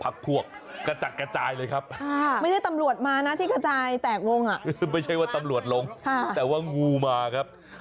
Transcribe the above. อ่าวน่าจะแตกอะคุณ